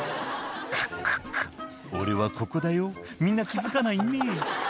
「ククク俺はここだよみんな気付かないね」